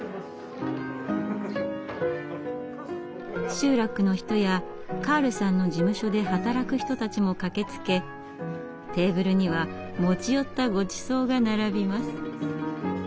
集落の人やカールさんの事務所で働く人たちも駆けつけテーブルには持ち寄ったごちそうが並びます。